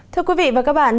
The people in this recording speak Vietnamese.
thưa quý vị và các bạn